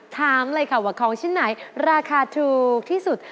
ถามเลยค่ะว่าของชิ้นไหนราคาถูกที่สุด